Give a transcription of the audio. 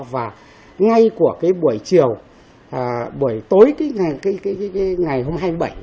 và ngay của cái buổi chiều buổi tối cái ngày hôm hai mươi bảy